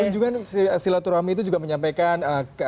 kunjungan silaturahmi itu juga menyampaikan